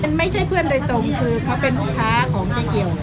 ไม่ใช่เพื่อนโดยตรงคือเขาเป็นลูกค้าของเจ๊เกียว